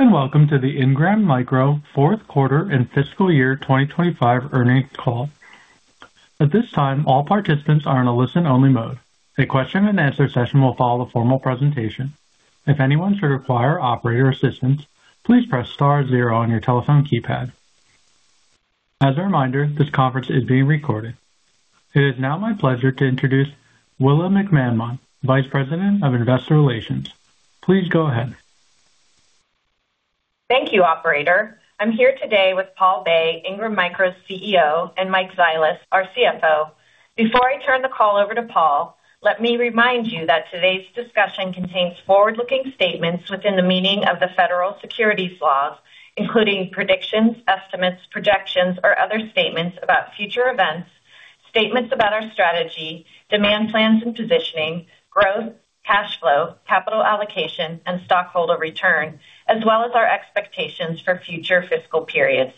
Welcome to the Ingram Micro fourth quarter and fiscal year 2025 earnings call. At this time, all participants are in a listen-only mode. A question-and-answer session will follow the formal presentation. If anyone should require operator assistance, please press star zero on your telephone keypad. As a reminder, this conference is being recorded. It is now my pleasure to introduce Willa McManmon, Vice President of Investor Relations. Please go ahead. Thank you, operator. I'm here today with Paul Bay, Ingram Micro's CEO, and Mike Zilis, our CFO. Before I turn the call over to Paul, let me remind you that today's discussion contains forward-looking statements within the meaning of the federal securities laws, including predictions, estimates, projections, or other statements about future events, statements about our strategy, demand plans and positioning, growth, cash flow, capital allocation, and stockholder return, as well as our expectations for future fiscal periods.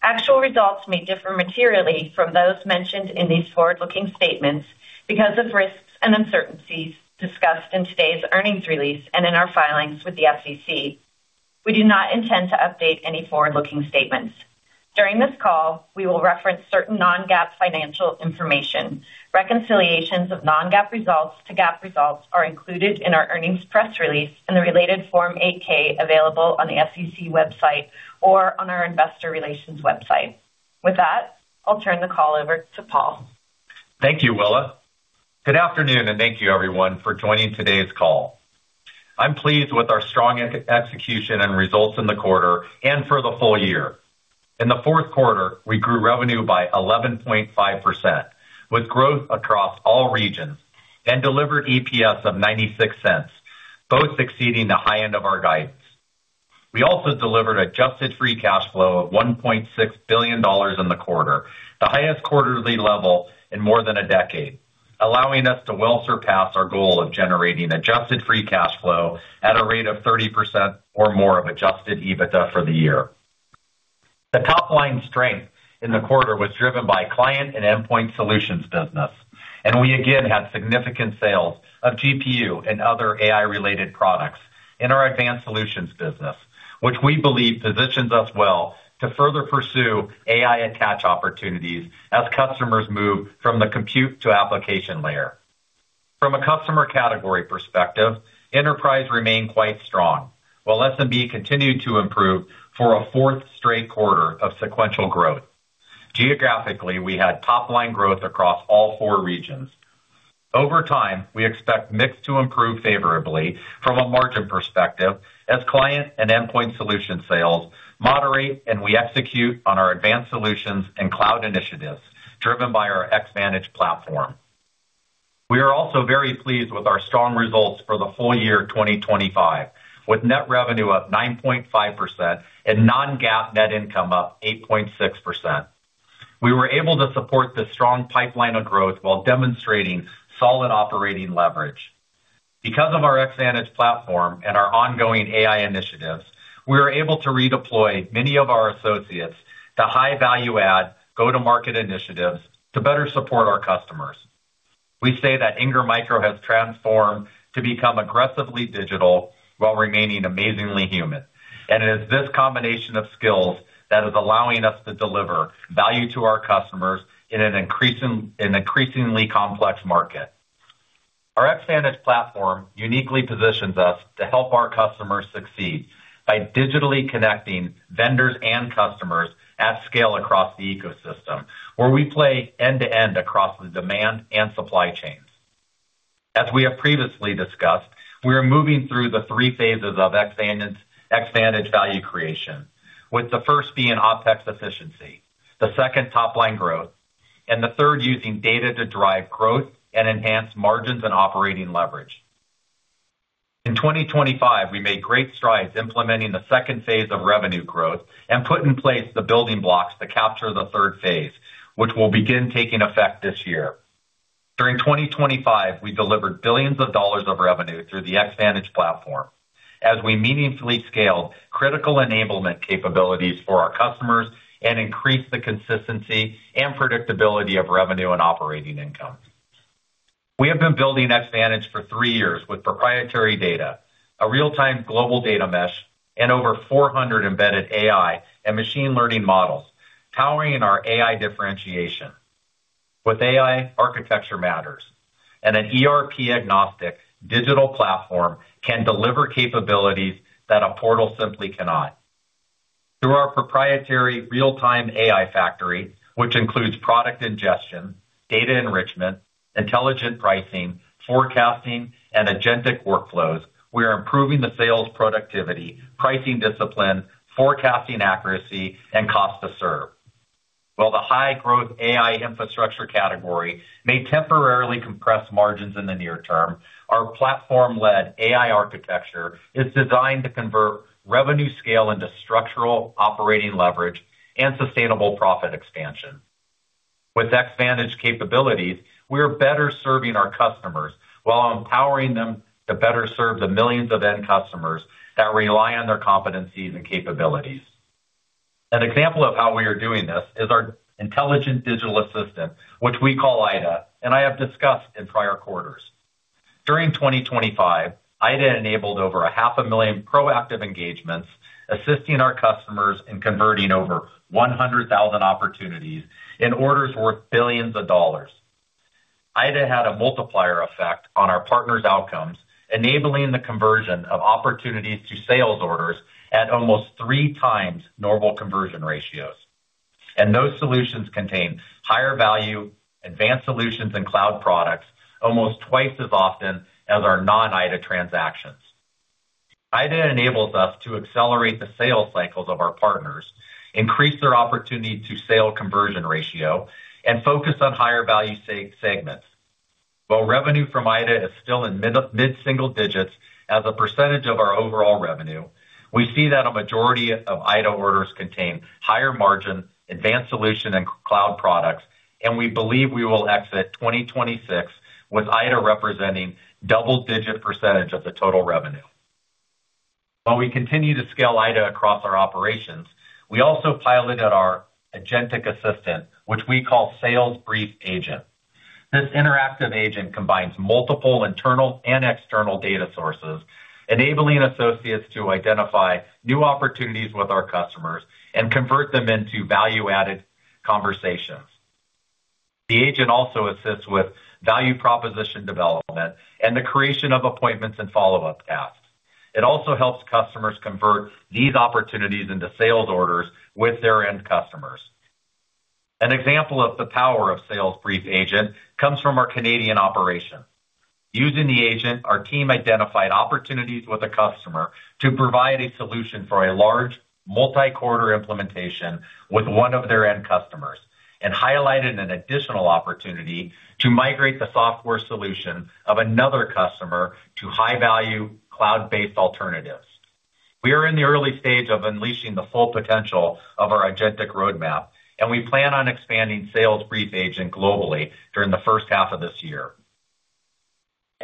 Actual results may differ materially from those mentioned in these forward-looking statements because of risks and uncertainties discussed in today's earnings release and in our filings with the SEC. We do not intend to update any forward-looking statements. During this call, we will reference certain non-GAAP financial information. Reconciliations of non-GAAP results to GAAP results are included in our earnings press release and the related Form 8-K available on the SEC website or on our investor relations website. With that, I'll turn the call over to Paul. Thank you, Willa. Good afternoon, thank you, everyone, for joining today's call. I'm pleased with our strong execution and results in the quarter and for the full year. In the fourth quarter, we grew revenue by 11.5%, with growth across all regions, delivered EPS of $0.96, both exceeding the high end of our guidance. We also delivered adjusted free cash flow of $1.6 billion in the quarter, the highest quarterly level in more than a decade, allowing us to well surpass our goal of generating adjusted free cash flow at a rate of 30% or more of adjusted EBITDA for the year. The top line strength in the quarter was driven by Client and Endpoint Solutions business, and we again had significant sales of GPU and other AI-related products in our Advanced Solutions business, which we believe positions us well to further pursue AI attach opportunities as customers move from the compute to application layer. From a customer category perspective, enterprise remained quite strong, while SMB continued to improve for a fourth straight quarter of sequential growth. Geographically, we had top-line growth across all four regions. Over time, we expect mix to improve favorably from a margin perspective as Client and Endpoint Solutions sales moderate, and we execute on our Advanced Solutions and Cloud initiatives driven by our Xvantage platform. We are also very pleased with our strong results for the whole year 2025, with net revenue up 9.5% and non-GAAP net income up 8.6%. We were able to support this strong pipeline of growth while demonstrating solid operating leverage. Because of our Xvantage platform and our ongoing AI initiatives, we were able to redeploy many of our associates to high value add, go-to-market initiatives to better support our customers. We say that Ingram Micro has transformed to become aggressively digital while remaining amazingly human. It is this combination of skills that is allowing us to deliver value to our customers in an increasingly complex market. Our Xvantage platform uniquely positions us to help our customers succeed by digitally connecting vendors and customers at scale across the ecosystem, where we play end-to-end across the demand and supply chains. As we have previously discussed, we are moving through the three phases of Xvantage value creation, with the first being OpEx efficiency, the second top line growth, and the third using data to drive growth and enhance margins and operating leverage. In 2025, we made great strides implementing the second phase of revenue growth and put in place the building blocks to capture the third phase, which will begin taking effect this year. During 2025, we delivered billions of dollars of revenue through the Xvantage platform as we meaningfully scaled critical enablement capabilities for our customers and increased the consistency and predictability of revenue and operating income. We have been building Xvantage for three years with proprietary data, a real-time global data mesh, and over 400 embedded AI and machine learning models, powering our AI differentiation. With AI, architecture matters. An ERP-agnostic digital platform can deliver capabilities that a portal simply cannot. Through our proprietary real-time AI factory, which includes product ingestion, data enrichment, intelligent pricing, forecasting, and agentic workflows, we are improving the sales productivity, pricing discipline, forecasting accuracy, and cost to serve. While the high-growth AI infrastructure category may temporarily compress margins in the near term, our platform-led AI architecture is designed to convert revenue scale into structural operating leverage and sustainable profit expansion. With Xvantage capabilities, we are better serving our customers while empowering them to better serve the millions of end customers that rely on their competencies and capabilities. An example of how we are doing this is our Intelligent Digital Assistant, which we call IDA, and I have discussed in prior quarters. During 2025, IDA enabled over 500,000 proactive engagements, assisting our customers in converting over 100,000 opportunities in orders worth billions of U.S. dollars. IDA had a multiplier effect on our partners' outcomes, enabling the conversion of opportunities to sales orders at almost 3x normal conversion ratios. Those solutions contain higher value, Advanced Solutions and Cloud products almost 2x as often as our non-IDA transactions. IDA enables us to accelerate the sales cycles of our partners, increase their opportunity to sale conversion ratio, and focus on higher value segments. While revenue from IDA is still in mid-single digits as a percentage of our overall revenue, we see that a majority of IDA orders contain higher margin, aAdvanced Solutions and Cloud products, and we believe we will exit 2026 with IDA representing double-digit % of the total revenue. While we continue to scale IDA across our operations, we also piloted our agentic assistant, which we call Sales Briefing Agent. This interactive agent combines multiple internal and external data sources, enabling associates to identify new opportunities with our customers and convert them into value-added conversations. The agent also assists with value proposition development and the creation of appointments and follow-up tasks. It also helps customers convert these opportunities into sales orders with their end customers. An example of the power of Sales Briefing Agent comes from our Canadian operation. Using the agent, our team identified opportunities with a customer to provide a solution for a large multi-quarter implementation with one of their end customers and highlighted an additional opportunity to migrate the software solution of another customer to high-value cloud-based alternatives. We are in the early stage of unleashing the full potential of our agentic roadmap, and we plan on expanding Sales Briefing Agent globally during the first half of this year.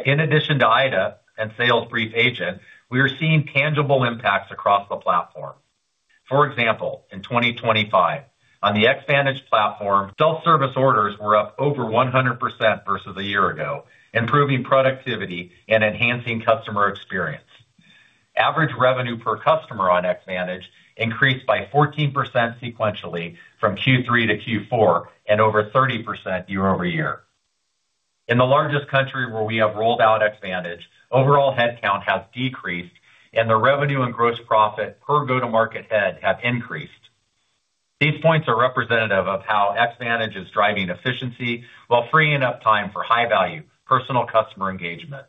In addition to IDA and Sales Briefing Agent, we are seeing tangible impacts across the platform. For example, in 2025, on the Xvantage platform, self-service orders were up over 100% versus a year ago, improving productivity and enhancing customer experience. Average revenue per customer on Xvantage increased by 14% sequentially from Q3 to Q4 and over 30% year-over-year. In the largest country where we have rolled out Xvantage, overall headcount has decreased and the revenue and gross profit per go-to-market head have increased. These points are representative of how Xvantage is driving efficiency while freeing up time for high-value personal customer engagement.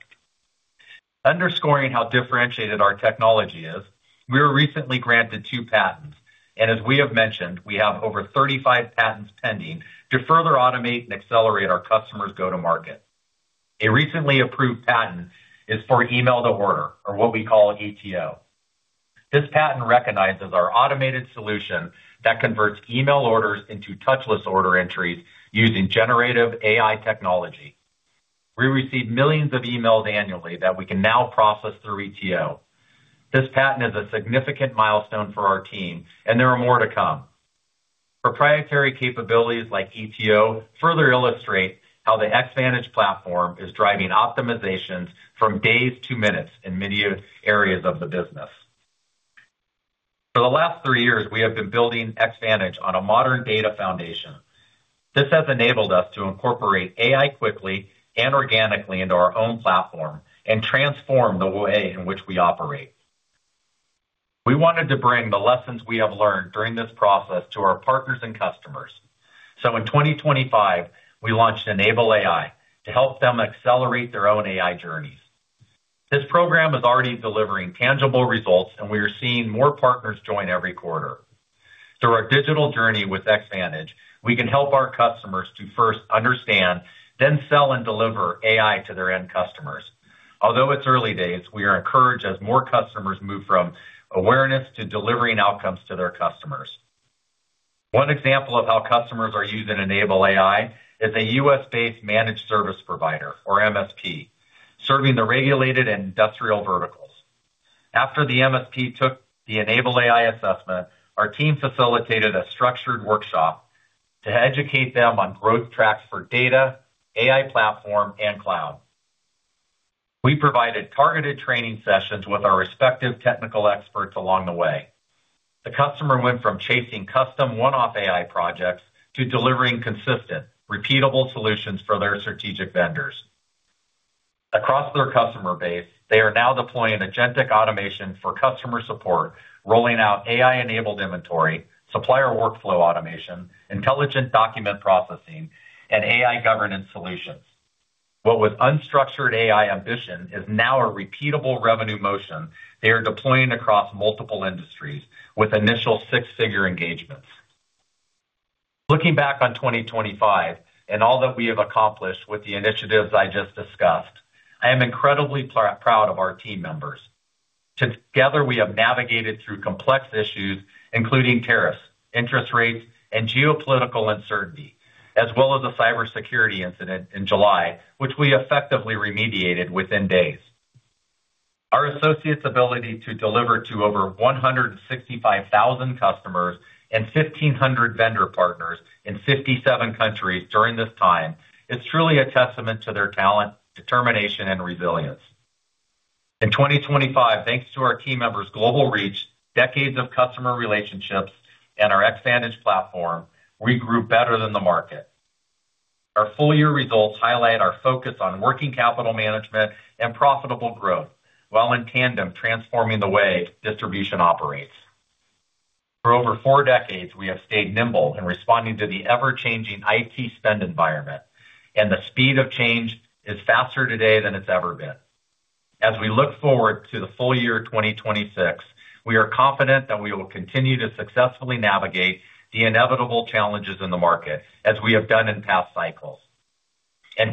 Underscoring how differentiated our technology is, we were recently granted two patents. As we have mentioned, we have over 35 patents pending to further automate and accelerate our customers' go-to-market. A recently approved patent is for Email-to-Order or what we call ETO. This patent recognizes our automated solution that converts email orders into touchless order entries using generative AI technology. We receive millions of emails annually that we can now process through ETO. This patent is a significant milestone for our team, and there are more to come. Proprietary capabilities like ETO further illustrate how the Xvantage platform is driving optimizations from days to minutes in many areas of the business. For the last three years, we have been building Xvantage on a modern data foundation. This has enabled us to incorporate AI quickly and organically into our own platform and transform the way in which we operate. We wanted to bring the lessons we have learned during this process to our partners and customers. In 2025, we launched Enable | AI to help them accelerate their own AI journeys. This program is already delivering tangible results, and we are seeing more partners join every quarter. Through our digital journey with Xvantage, we can help our customers to first understand, then sell and deliver AI to their end customers. Although it's early days, we are encouraged as more customers move from awareness to delivering outcomes to their customers. One example of how customers are using Enable | AI is a U.S.-based managed service provider, or MSP, serving the regulated and industrial verticals. After the MSP took the Enable | AI assessment, our team facilitated a structured workshop to educate them on growth tracks for data, AI platform, and cloud. Provided targeted training sessions with our respective technical experts along the way. The customer went from chasing custom one-off AI projects to delivering consistent, repeatable solutions for their strategic vendors. Across their customer base, they are now deploying agentic automation for customer support, rolling out AI-enabled inventory, supplier workflow automation, intelligent document processing, and AI governance solutions. What was unstructured AI ambition is now a repeatable revenue motion they are deploying across multiple industries with initial six-figure engagements. Looking back on 2025 and all that we have accomplished with the initiatives I just discussed, I am incredibly proud of our team members. Together, we have navigated through complex issues, including tariffs, interest rates, and geopolitical uncertainty, as well as a cybersecurity incident in July, which we effectively remediated within days. Our associates' ability to deliver to over 165,000 customers and 1,500 vendor partners in 57 countries during this time is truly a testament to their talent, determination, and resilience. In 2025, thanks to our team members' global reach, decades of customer relationships, and our Xvantage platform, we grew better than the market. Our full-year results highlight our focus on working capital management and profitable growth, while in tandem transforming the way distribution operates. For over four decades, we have stayed nimble in responding to the ever-changing IT spend environment, and the speed of change is faster today than it's ever been. As we look forward to the full year 2026, we are confident that we will continue to successfully navigate the inevitable challenges in the market as we have done in past cycles.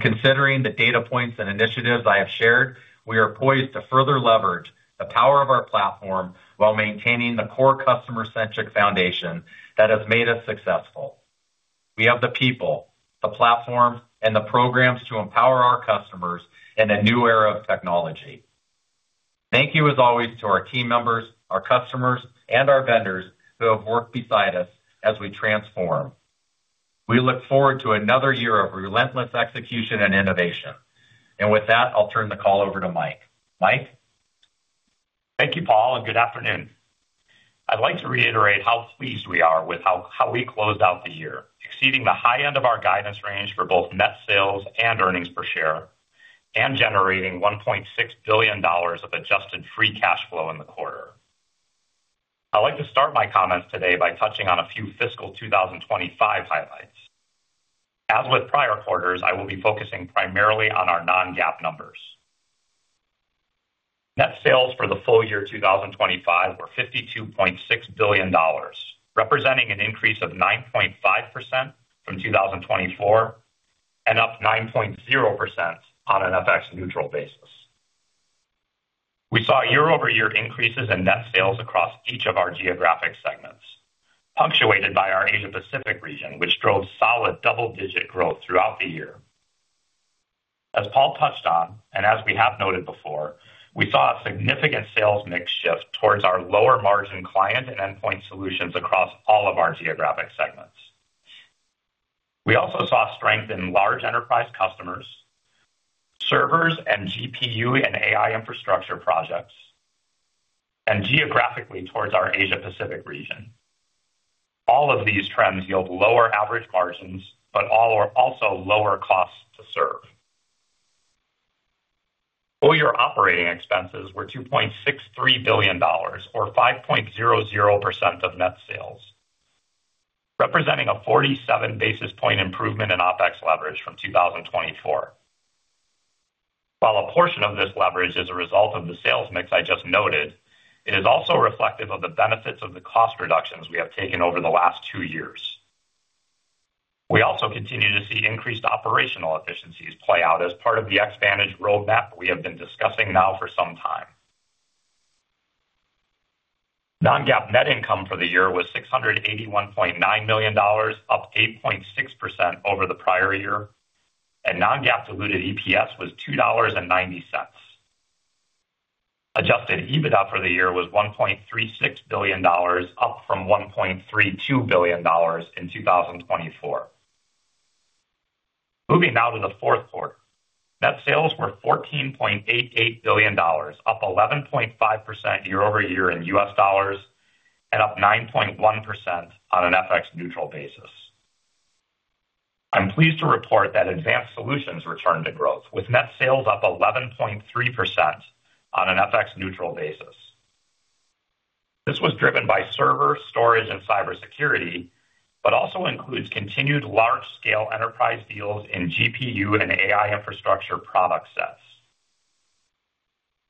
Considering the data points and initiatives I have shared, we are poised to further leverage the power of our platform while maintaining the core customer-centric foundation that has made us successful. We have the people, the platform, and the programs to empower our customers in a new era of technology. Thank you as always to our team members, our customers, and our vendors who have worked beside us as we transform. We look forward to another year of relentless execution and innovation. With that, I'll turn the call over to Mike. Mike? Thank you, Paul, and good afternoon. I'd like to reiterate how pleased we are with how we closed out the year, exceeding the high end of our guidance range for both net sales and earnings per share, and generating $1.6 billion of adjusted free cash flow in the quarter. I'd like to start my comments today by touching on a few fiscal 2025 highlights. As with prior quarters, I will be focusing primarily on our non-GAAP numbers. Net sales for the full year 2025 were $52.6 billion, representing an increase of 9.5% from 2024 and up 9.0% on an FX neutral basis. We saw year-over-year increases in net sales across each of our geographic segments, punctuated by our Asia-Pacific region, which drove solid double-digit growth throughout the year. As Paul touched on, as we have noted before, we saw a significant sales mix shift towards our lower margin Client and Endpoint Solutions across all of our geographic segments. We also saw strength in large enterprise customers, servers, and GPU and AI infrastructure projects, geographically towards our Asia-Pacific region. All of these trends yield lower average margins, all are also lower costs to serve. Full year operating expenses were $2.63 billion or 5.00% of net sales, representing a 47 basis point improvement in OpEx leverage from 2024. While a portion of this leverage is a result of the sales mix I just noted, it is also reflective of the benefits of the cost reductions we have taken over the last two years. We also continue to see increased operational efficiencies play out as part of the Xvantage roadmap we have been discussing now for some time. Non-GAAP net income for the year was $681.9 million, up 8.6% over the prior year, and non-GAAP diluted EPS was $2.90. Adjusted EBITDA for the year was $1.36 billion, up from $1.32 billion in 2024. Moving now to the fourth quarter. Net sales were $14.88 billion, up 11.5% year-over-year in U.S. dollars, and up 9.1% on an FX neutral basis. I'm pleased to report that Advanced Solutions returned to growth, with net sales up 11.3% on an FX neutral basis. This was driven by server, storage, and cybersecurity, but also includes continued large-scale enterprise deals in GPU and AI infrastructure product sets.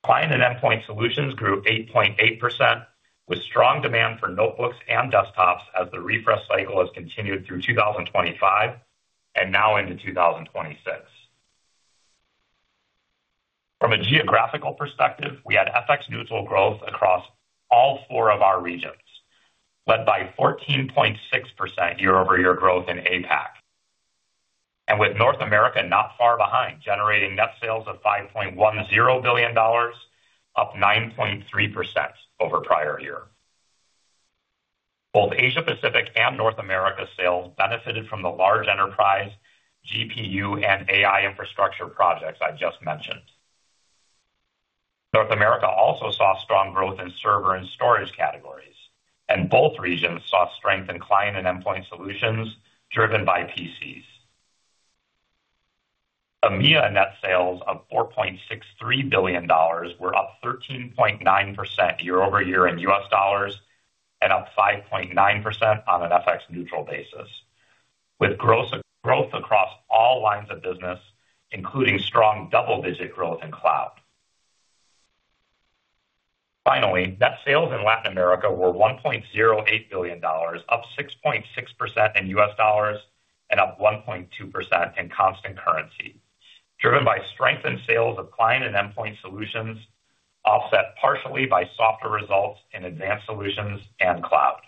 Client and Endpoint Solutions grew 8.8%, with strong demand for notebooks and desktops as the refresh cycle has continued through 2025 and now into 2026. From a geographical perspective, we had FX neutral growth across all four of our regions, led by 14.6% year-over-year growth in APAC. With North America not far behind, generating net sales of $5.1 billion, up 9.3% over prior year. Both Asia-Pacific and North America sales benefited from the large enterprise GPU and AI infrastructure projects I just mentioned. North America also saw strong growth in server and storage categories. Both regions saw strength in Client and Endpoint Solutions driven by PCs. EMEA net sales of $4.63 billion were up 13.9% year-over-year in U.S. dollars and up 5.9% on an FX neutral basis, with growth across all lines of business, including strong double-digit growth in Cloud. Finally, net sales in Latin America were $1.08 billion, up 6.6% in U.S. dollars and up 1.2% in constant currency, driven by strength in sales of Client and Endpoint Solutions, offset partially by softer results in Advanced Solutions and Cloud.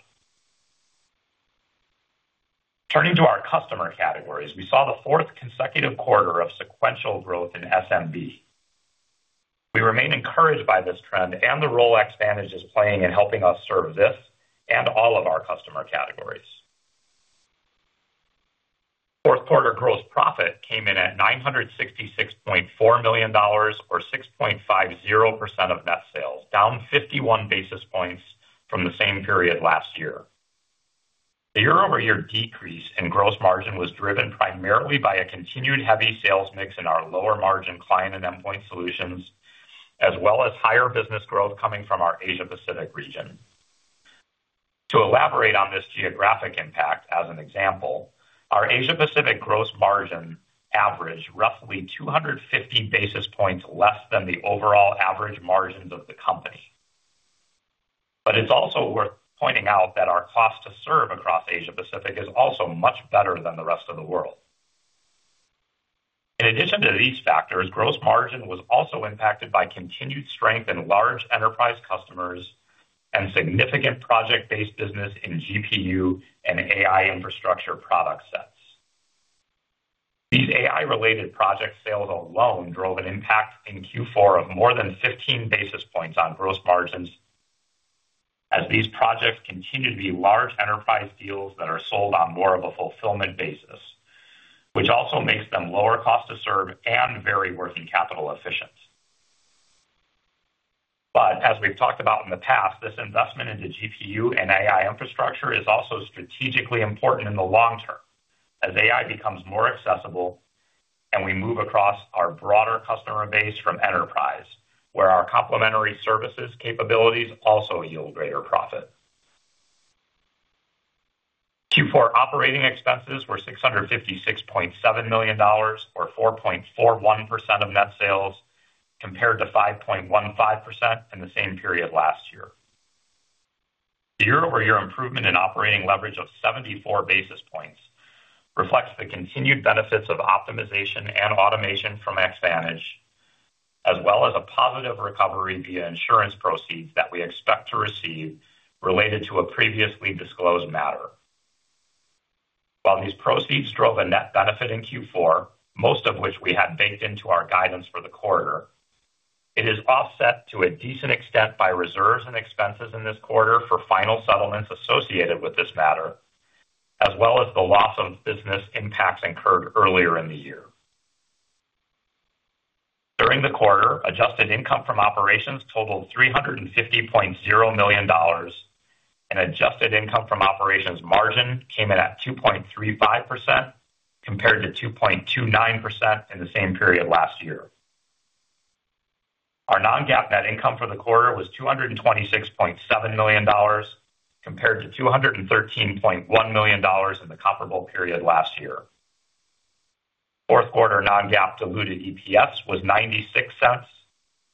Turning to our customer categories, we saw the fourth consecutive quarter of sequential growth in SMB. We remain encouraged by this trend and the role Xvantage is playing in helping us serve this and all of our customer categories. Fourth quarter gross profit came in at $966.4 million or 6.50% of net sales, down 51 basis points from the same period last year. The year-over-year decrease in gross margin was driven primarily by a continued heavy sales mix in our lower margin Client and Endpoint Solutions, as well as higher business growth coming from our Asia-Pacific region. To elaborate on this geographic impact, as an example, our Asia-Pacific gross margin averaged roughly 250 basis points less than the overall average margins of the company. It's also worth pointing out that our cost to serve across Asia-Pacific is also much better than the rest of the world. In addition to these factors, gross margin was also impacted by continued strength in large enterprise customers and significant project-based business in GPU and AI infrastructure product sets. These AI-related project sales alone drove an impact in Q4 of more than 15 basis points on gross margins as these projects continue to be large enterprise deals that are sold on more of a fulfillment basis, which also makes them lower cost to serve and very working capital efficient. As we've talked about in the past, this investment into GPU and AI infrastructure is also strategically important in the long term as AI becomes more accessible and we move across our broader customer base from enterprise, where our complementary services capabilities also yield greater profit. Q4 operating expenses were $656.7 million or 4.41% of net sales, compared to 5.15% in the same period last year. The year-over-year improvement in operating leverage of 74 basis points reflects the continued benefits of optimization and automation from Xvantage, as well as a positive recovery via insurance proceeds that we expect to receive related to a previously disclosed matter. While these proceeds drove a net benefit in Q4, most of which we had baked into our guidance for the quarter, it is offset to a decent extent by reserves and expenses in this quarter for final settlements associated with this matter, as well as the loss of business impacts incurred earlier in the year. During the quarter, adjusted income from operations totaled $350.0 million, adjusted income from operations margin came in at 2.35% compared to 2.29% in the same period last year. Our non-GAAP net income for the quarter was $226.7 million compared to $213.1 million in the comparable period last year. Fourth quarter non-GAAP diluted EPS was $0.96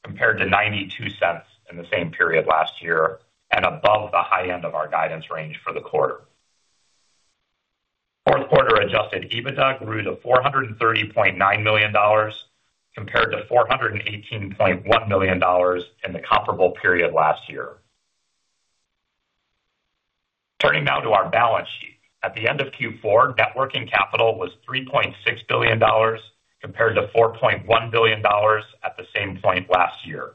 compared to $0.92 in the same period last year and above the high end of our guidance range for the quarter. Fourth quarter adjusted EBITDA grew to $430.9 million compared to $418.1 million in the comparable period last year. Turning now to our balance sheet. At the end of Q4, net working capital was $3.6 billion compared to $4.1 billion at the same point last year,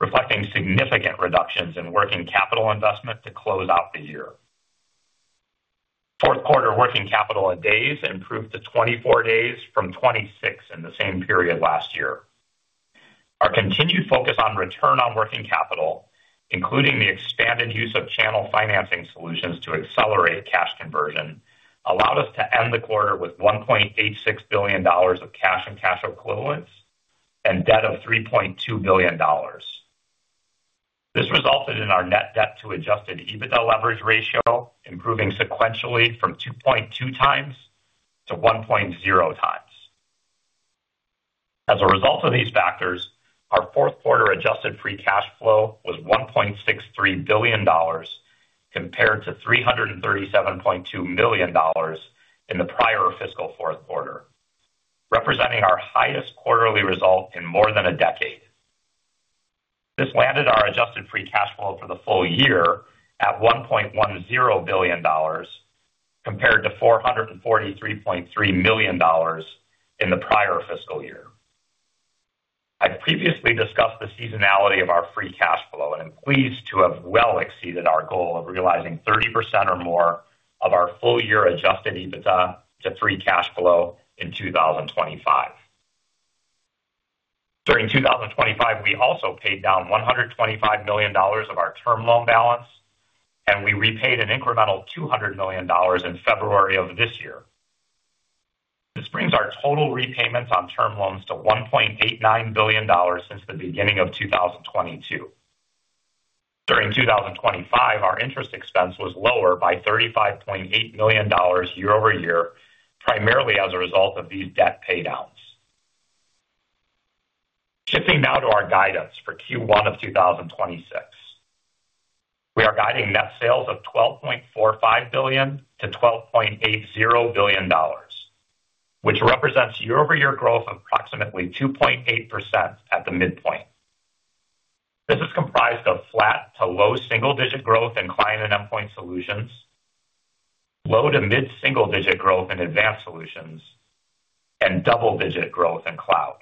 reflecting significant reductions in working capital investment to close out the year. Fourth quarter working capital in days improved to 24 days from 26 in the same period last year. Our continued focus on return on working capital, including the expanded use of channel financing solutions to accelerate cash conversion, allowed us to end the quarter with $1.86 billion of cash and cash equivalents and debt of $3.2 billion. This resulted in our net debt to adjusted EBITDA leverage ratio improving sequentially from 2.2x to 1.0x. As a result of these factors, our fourth quarter adjusted free cash flow was $1.63 billion compared to $337.2 million in the prior fiscal fourth quarter, representing our highest quarterly result in more than a decade. This landed our adjusted free cash flow for the full year at $1.10 billion compared to $443.3 million in the prior fiscal year. I previously discussed the seasonality of our free cash flow, and I'm pleased to have well exceeded our goal of realizing 30% or more of our full-year adjusted EBITDA to free cash flow in 2025. During 2025, we also paid down $125 million of our term loan balance, and we repaid an incremental $200 million in February of this year. This brings our total repayments on term loans to $1.89 billion since the beginning of 2022. During 2025, our interest expense was lower by $35.8 million year-over-year, primarily as a result of these debt paydowns. Shifting now to our guidance for Q1 of 2026. We are guiding net sales of $12.45 billion-$12.80 billion, which represents year-over-year growth of approximately 2.8% at the midpoint. This is comprised of flat to low single-digit growth in Client and Endpoint Solutions, low to mid single-digit growth in Advanced Solutions, and double-digit growth in Cloud.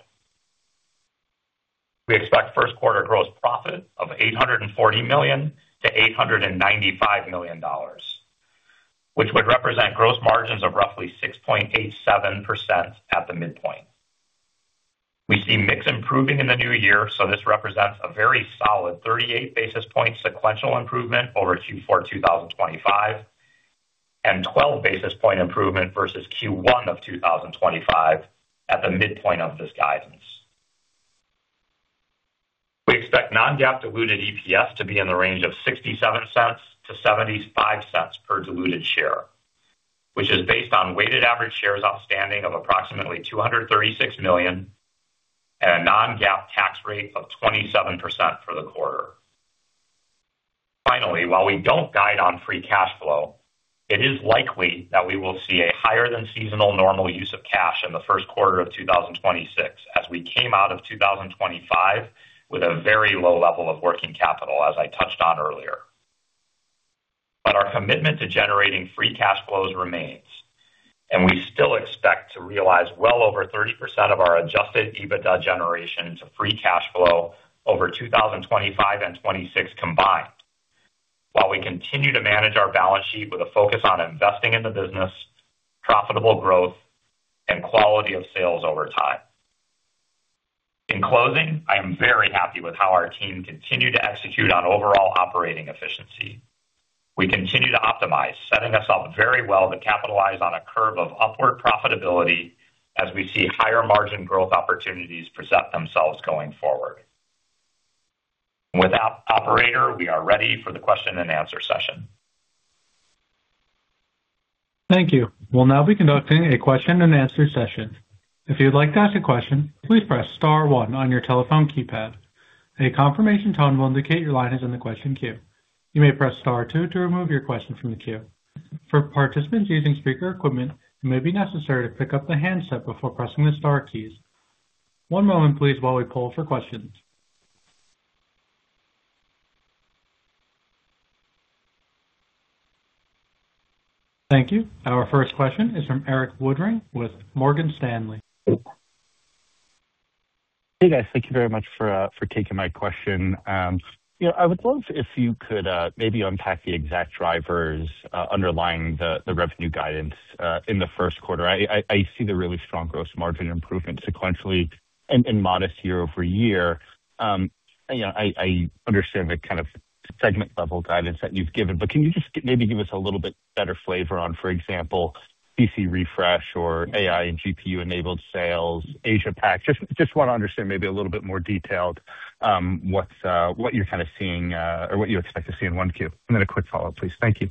We expect first quarter gross profit of $840 million-$895 million, which would represent gross margins of roughly 6.87% at the midpoint. We see mix improving in the new year, this represents a very solid 38 basis points sequential improvement over Q4 2025 and 12 basis point improvement versus Q1 of 2025 at the midpoint of this guidance. We expect non-GAAP diluted EPS to be in the range of $0.67-$0.75 per diluted share, which is based on weighted average shares outstanding of approximately 236 million and a non-GAAP tax rate of 27% for the quarter. Finally, while we don't guide on free cash flow, it is likely that we will see a higher than seasonal normal use of cash in the first quarter of 2026 as we came out of 2025 with a very low level of working capital, as I touched on earlier. Our commitment to generating free cash flows remains, and we still expect to realize well over 30% of our adjusted EBITDA generation to free cash flow over 2025 and 2026 combined. While we continue to manage our balance sheet with a focus on investing in the business, profitable growth and quality of sales over time. In closing, I am very happy with how our team continued to execute on overall operating efficiency. We continue to optimize, setting us up very well to capitalize on a curve of upward profitability as we see higher margin growth opportunities present themselves going forward. With that, operator, we are ready for the question-and-answer session. Thank you. We'll now be conducting a question-and-answer session. If you'd like to ask a question, please press star one on your telephone keypad. A confirmation tone will indicate your line is in the question queue. You may press star two to remove your question from the queue. For participants using speaker equipment, it may be necessary to pick up the handset before pressing the star keys. One moment, please, while we poll for questions. Thank you. Our first question is from Erik Woodring with Morgan Stanley. Hey, guys. Thank you very much for for taking my question. You know, I would love if you could maybe unpack the exact drivers underlying the the revenue guidance in the first quarter. I, I see the really strong gross margin improvement sequentially and and modest year-over-year. You know, I understand the kind of segment level guidance that you've given, but can you just maybe give us a little bit better flavor on, for example, PC refresh or AI and GPU-enabled sales, Asia-Pac? Just, just wanna understand maybe a little bit more detailed what's what you're kind of seeing or what you expect to see in 1Q. A quick follow-up, please. Thank you.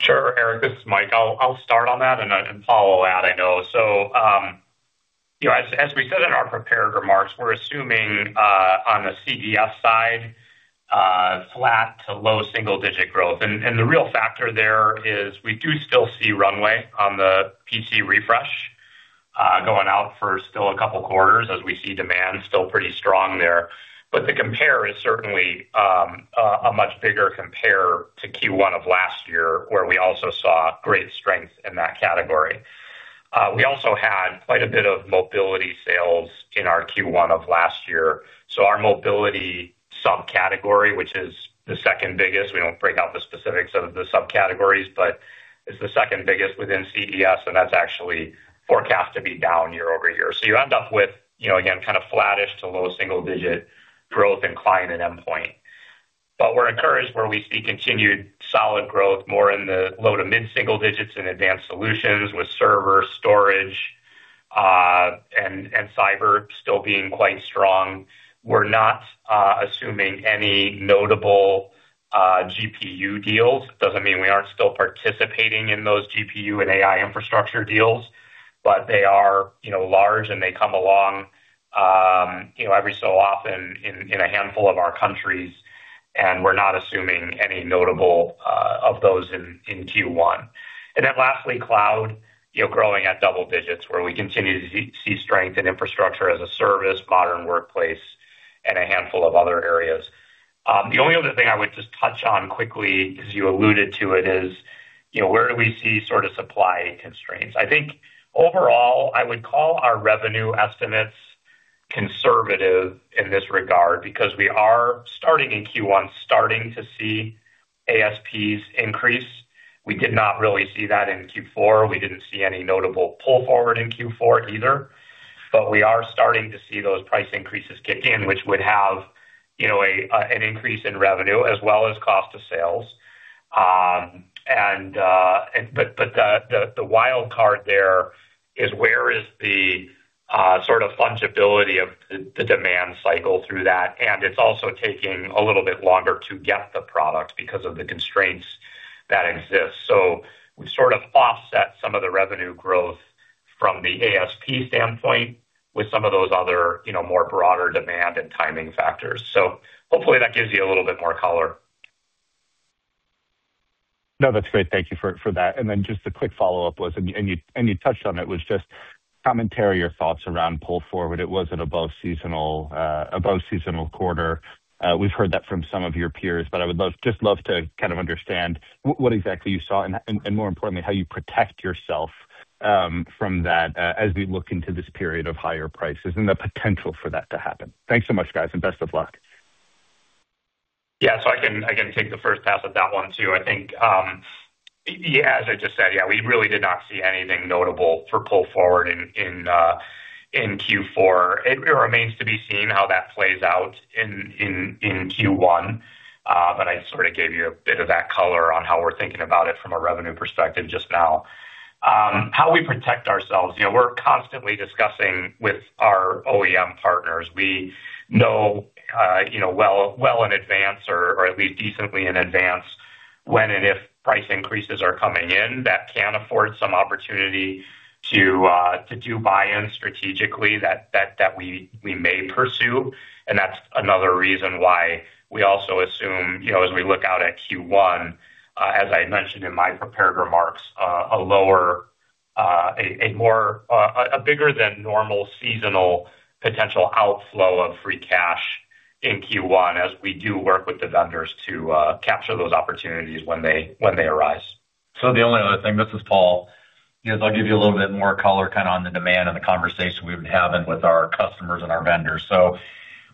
Sure. Erik, this is Mike. I'll start on that, follow, Ed, I know. You know, as we said in our prepared remarks, we're assuming on the CES side, flat to low single-digit growth. The real factor there is we do still see runway on the PC refresh, going out for still a couple quarters as we see demand still pretty strong there. The compare is certainly a much bigger compare to Q1 of last year, where we also saw great strength in that category. We also had quite a bit of Mobility sales in our Q1 of last year. Our Mobility subcategory, which is the second biggest, we don't break out the specifics of the subcategories, but it's the second biggest within CES, and that's actually forecast to be down year-over-year. You end up with, you know, again, kind of flattish to low single-digit growth in Client and Endpoint. We're encouraged where we see continued solid growth more in the low to mid single-digits in Advanced Solutions with server storage, and Cyber still being quite strong. We're not assuming any notable GPU deals. It doesn't mean we aren't still participating in those GPU and AI infrastructure deals, but they are, you know, large and they come along, you know, every so often in a handful of our countries, and we're not assuming any notable of those in Q1. Lastly, Cloud, you know, growing at double-digits, where we continue to see strength in infrastructure as a service, modern workplace and a handful of other areas. The only other thing I would just touch on quickly, as you alluded to it is, you know, where do we see sort of supply constraints? I think overall, I would call our revenue estimates conservative in this regard because we are starting in Q1, starting to see ASPs increase. We did not really see that in Q4. We didn't see any notable pull forward in Q4 either. We are starting to see those price increases kick in, which would have, you know, an increase in revenue as well as cost of sales. The wild card there is where is the sort of fungibility of the demand cycle through that. It's also taking a little bit longer to get the product because of the constraints that exist. We sort of offset some of the revenue growth from the ASP standpoint with some of those other, you know, more broader demand and timing factors. Hopefully that gives you a little bit more color. No, that's great. Thank you for that. Just a quick follow-up was, you touched on it, was just commentary or thoughts around pull forward. It was an above seasonal quarter. We've heard that from some of your peers, but I would love to kind of understand what exactly you saw and more importantly, how you protect yourself from that as we look into this period of higher prices and the potential for that to happen. Thanks so much, guys, and best of luck. I can take the first half of that one too. I think, as I just said, we really did not see anything notable for pull forward in Q4. It remains to be seen how that plays out in Q1. I sort of gave you a bit of that color on how we're thinking about it from a revenue perspective just now. How we protect ourselves, you know, we're constantly discussing with our OEM partners. We know, you know, well in advance or at least decently in advance when and if price increases are coming in that can afford some opportunity to do buy-in strategically that we may pursue. That's another reason why we also assume, you know, as we look out at Q1, as I mentioned in my prepared remarks, a lower, a more, a bigger than normal seasonal potential outflow of free cash in Q1 as we do work with the vendors to capture those opportunities when they arise. The only other thing, this is Paul, is I'll give you a little bit more color kind of on the demand and the conversation we've been having with our customers and our vendors.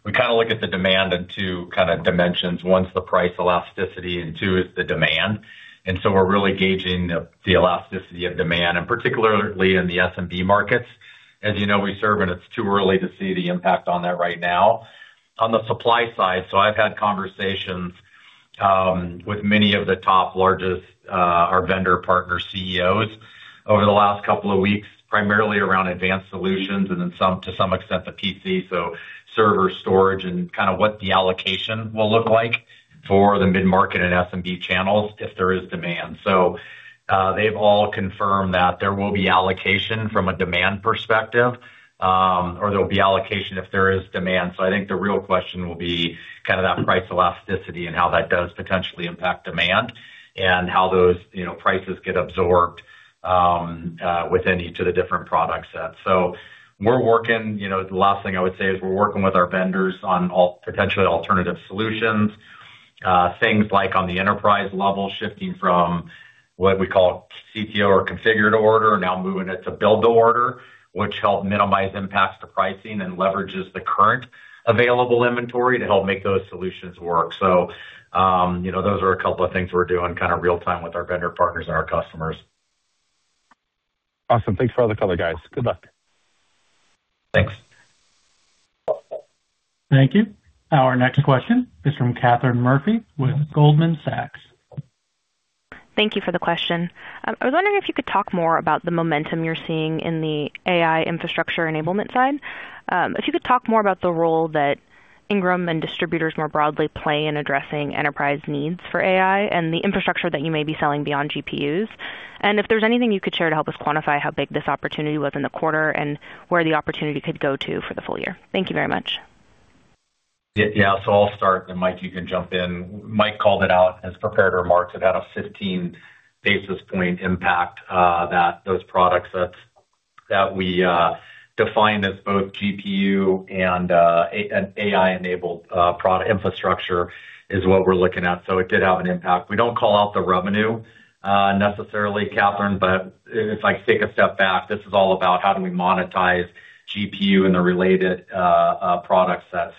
We kind of look at the demand in two kind of dimensions. One's the price elasticity, and two is the demand. We're really gauging the elasticity of demand, and particularly in the SMB markets. As you know, we serve, and it's too early to see the impact on that right now. On the supply side, I've had conversations with many of the top largest, our vendor partner CEOs over the last couple of weeks, primarily around Advanced Solutions and then to some extent the PC, so server storage and kind of what the allocation will look like for the mid-market and SMB channels if there is demand. They've all confirmed that there will be allocation from a demand perspective, or there'll be allocation if there is demand. I think the real question will be kind of that price elasticity and how that does potentially impact demand and how those, you know, prices get absorbed within each of the different product sets. You know, the last thing I would say is we're working with our vendors on all potentially alternative solutions, things like on the enterprise level, shifting from what we call CTO or Configure to Order now moving it to build order, which help minimize impacts to pricing and leverages the current available inventory to help make those solutions work. You know, those are a couple of things we're doing kind of real time with our vendor partners and our customers. Awesome. Thanks for all the color, guys. Good luck. Thanks. Thank you. Our next question is from Katherine Murphy with Goldman Sachs. Thank you for the question. I was wondering if you could talk more about the momentum you're seeing in the AI infrastructure enablement side. If you could talk more about the role that Ingram and distributors more broadly play in addressing enterprise needs for AI and the infrastructure that you may be selling beyond GPUs. If there's anything you could share to help us quantify how big this opportunity was in the quarter and where the opportunity could go to for the full year. Thank you very much. Yeah. I'll start, then Mike, you can jump in. Mike called it out in his prepared remarks. It had a 15 basis point impact that those products that we define as both GPU and AI-enabled product infrastructure is what we're looking at. It did have an impact. We don't call out the revenue necessarily, Katherine, but if I take a step back, this is all about how do we monetize GPU and the related product set.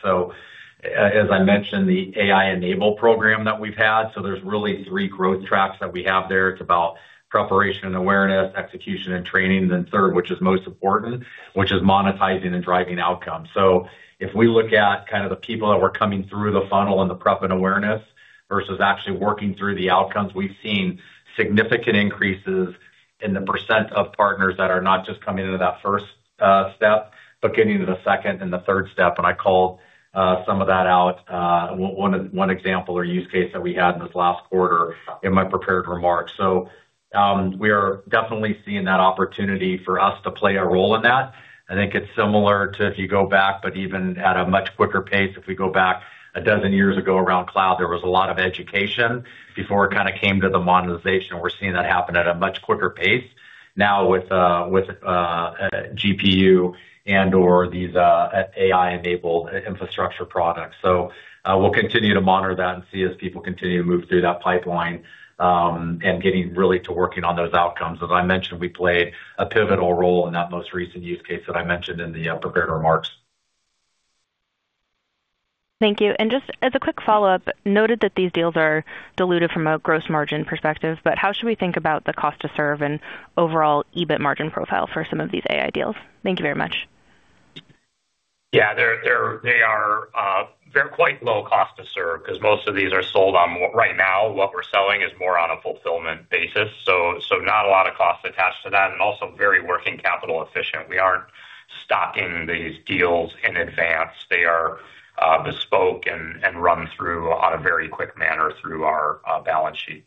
As I mentioned, the Enable | AI program that we've had, there's really three growth tracks that we have there. It's about preparation and awareness, execution and training. Third, which is most important, which is monetizing and driving outcomes. If we look at kind of the people that were coming through the funnel and the prep and awareness versus actually working through the outcomes, we've seen significant increases in the percent of partners that are not just coming into that first step, but getting to the second and the third step. I called some of that out, one example or use case that we had in this last quarter in my prepared remarks. We are definitely seeing that opportunity for us to play a role in that. I think it's similar to if you go back, but even at a much quicker pace, if we go back 12 years ago around cloud, there was a lot of education before it kind of came to the monetization. We're seeing that happen at a much quicker pace now with GPU and/or these AI-enabled infrastructure products. We'll continue to monitor that and see as people continue to move through that pipeline and getting really to working on those outcomes. As I mentioned, we play a pivotal role in that most recent use case that I mentioned in the prepared remarks. Thank you. Just as a quick follow-up, noted that these deals are diluted from a gross margin perspective, how should we think about the cost to serve and overall EBIT margin profile for some of these AI deals? Thank you very much. Yeah. They are, they're quite low cost to serve 'cause most of these are sold on... Right now, what we're selling is more on a fulfillment basis, so not a lot of cost attached to that. Also very working capital efficient. We aren't stocking these deals in advance. They are bespoke and run through on a very quick manner through our balance sheet.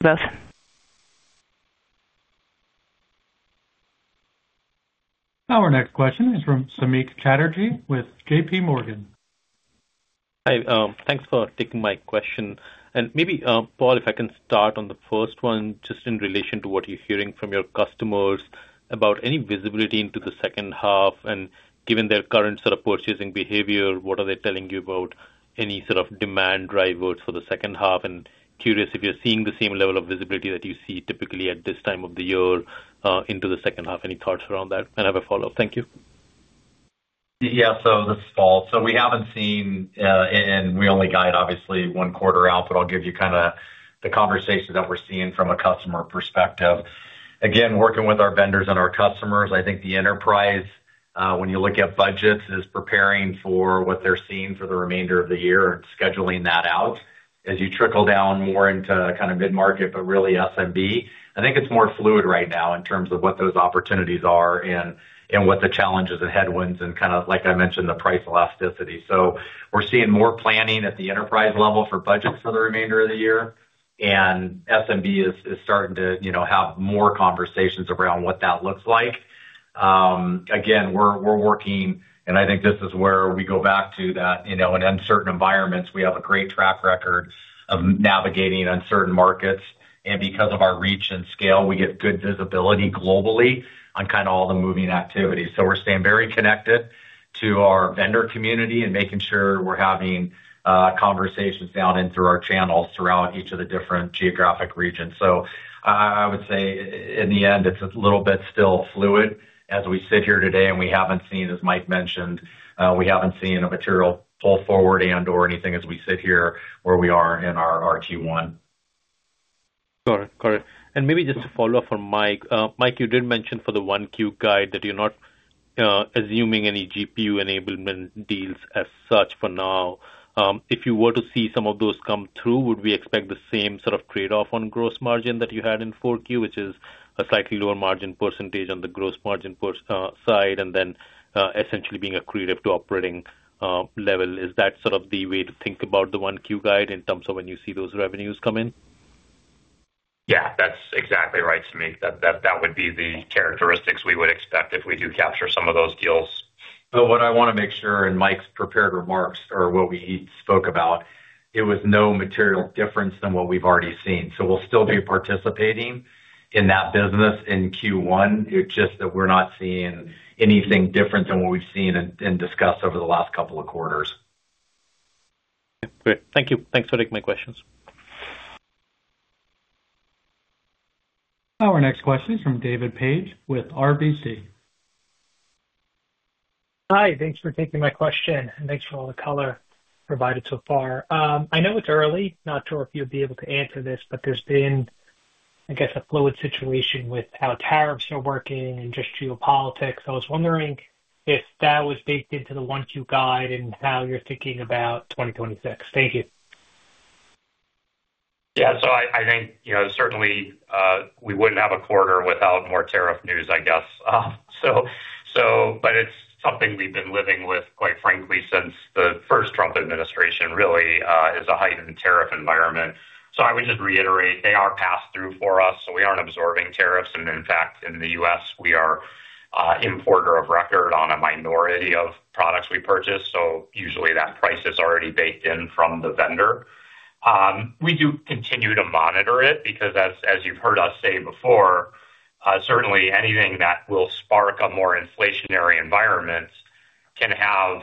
That's. Our next question is from Samik Chatterjee with JPMorgan. Hi, thanks for taking my question. Maybe Paul, if I can start on the first one, just in relation to what you're hearing from your customers about any visibility into the second half, and given their current sort of purchasing behavior, what are they telling you about any sort of demand drivers for the second half? Curious if you're seeing the same level of visibility that you see typically at this time of the year, into the second half. Any thoughts around that? I have a follow-up. Thank you. Yeah. This is Paul. We haven't seen, and we only guide obviously one quarter out, but I'll give you kinda the conversation that we're seeing from a customer perspective. Again, working with our vendors and our customers, I think the enterprise, when you look at budgets, is preparing for what they're seeing for the remainder of the year and scheduling that out. As you trickle down more into kinda mid-market, but really SMB, I think it's more fluid right now in terms of what those opportunities are and what the challenges and headwinds and kinda, like I mentioned, the price elasticity. We're seeing more planning at the enterprise level for budgets for the remainder of the year, and SMB is starting to, you know, have more conversations around what that looks like. Again, we're working, and I think this is where we go back to that, you know, in uncertain environments, we have a great track record of navigating uncertain markets. Because of our reach and scale, we get good visibility globally on kinda all the moving activities. We're staying very connected to our vendor community and making sure we're having conversations down in through our channels throughout each of the different geographic regions. I would say in the end, it's a little bit still fluid as we sit here today, and we haven't seen, as Mike mentioned, we haven't seen a material pull forward and/or anything as we sit here where we are in our Q1. Got it. Got it. Maybe just a follow-up for Mike. Mike, you did mention for the 1Q guide that you're not assuming any GPU enablement deals as such for now. If you were to see some of those come through, would we expect the same sort of trade-off on gross margin that you had in 4Q, which is a slightly lower margin percentage on the gross margin side and then essentially being accretive to operating level? Is that sort of the way to think about the 1Q guide in terms of when you see those revenues come in? Yeah, that's exactly right, Samik. That would be the characteristics we would expect if we do capture some of those deals. What I want to make sure in Mike's prepared remarks or what we spoke about, it was no material difference than what we've already seen. We'll still be participating in that business in Q1. It's just that we're not seeing anything different than what we've seen and discussed over the last couple of quarters. Great. Thank you. Thanks for taking my questions. Our next question is from David Paige with RBC. Hi, thanks for taking my question, and thanks for all the color provided so far. I know it's early. Not sure if you'll be able to answer this, but there's been, I guess, a fluid situation with how tariffs are working and just geopolitics. I was wondering if that was baked into the 1Q guide and how you're thinking about 2026. Thank you. Yeah. I think, you know, certainly, we wouldn't have a quarter without more tariff news, I guess. It's something we've been living with, quite frankly, since the first Trump administration really, is a heightened tariff environment. I would just reiterate, they are pass-through for us, so we aren't absorbing tariffs. In fact, in the U.S., we are, importer of record on a minority of products we purchase. Usually that price is already baked in from the vendor. We do continue to monitor it because as you've heard us say before, certainly anything that will spark a more inflationary environment can have,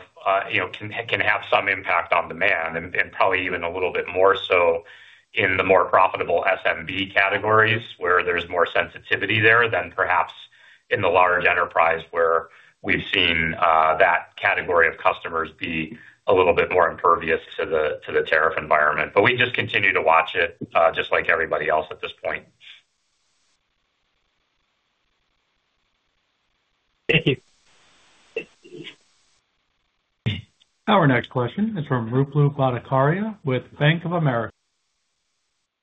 you know, can have some impact on demand and probably even a little bit more so in the more profitable SMB categories, where there's more sensitivity there than perhaps in the large enterprise, where we've seen that category of customers be a little bit more impervious to the tariff environment. We just continue to watch it, just like everybody else at this point. Thank you. Our next question is from Ruplu Bhattacharya with Bank of America.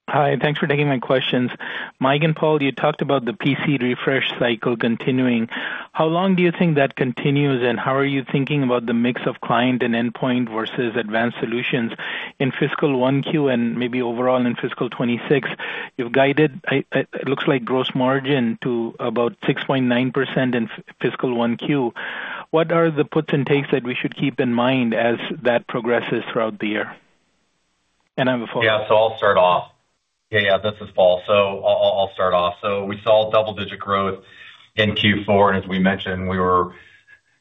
Hi, thanks for taking my questions. Mike and Paul, you talked about the PC refresh cycle continuing. How long do you think that continues, and how are you thinking about the mix of Client and Endpoint versus Advanced Solutions in fiscal 1Q and maybe overall in fiscal 2026? You've guided, it looks like gross margin to about 6.9% in fiscal 1Q. What are the puts and takes that we should keep in mind as that progresses throughout the year? I have a follow-up. Yeah, I'll start off. Yeah, this is Paul. I'll start off. We saw double-digit growth in Q4, and as we mentioned,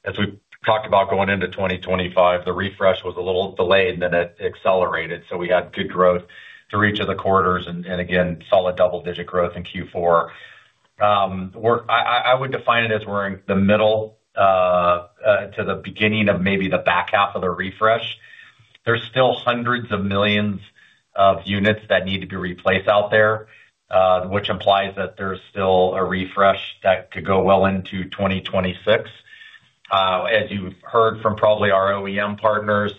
as we talked about going into 2025, the refresh was a little delayed, and then it accelerated, so we had good growth through each of the quarters and again, solid double-digit growth in Q4. I would define it as we're in the middle to the beginning of maybe the back half of the refresh. There's still hundreds of millions of units that need to be replaced out there, which implies that there's still a refresh that could go well into 2026. As you've heard from probably our OEM partners,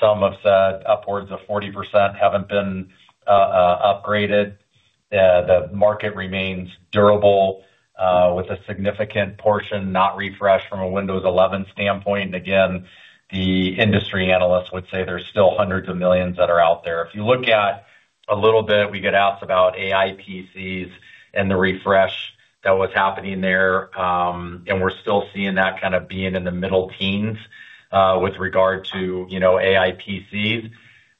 some have said upwards of 40% haven't been upgraded. The market remains durable, with a significant portion not refreshed from a Windows 11 standpoint. Again, the industry analysts would say there's still hundreds of millions that are out there. If you look at a little bit, we get asked about AI PCs and the refresh that was happening there, and we're still seeing that kind of being in the middle teens. With regard to, you know, AI PCs,